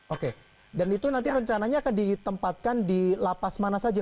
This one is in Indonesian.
oke dan itu nanti rencananya akan ditempatkan di lapas mana saja